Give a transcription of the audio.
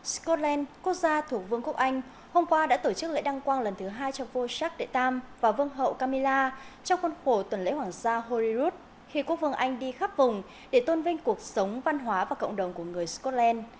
scotland quốc gia thuộc vương quốc anh hôm qua đã tổ chức lễ đăng quang lần thứ hai cho vua jacques iii và vương hậu camilla trong khuôn khổ tuần lễ hoàng gia holyrood khi quốc vương anh đi khắp vùng để tôn vinh cuộc sống văn hóa và cộng đồng của người scotland